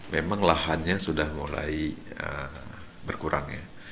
memang lahannya sudah mulai berkurang ya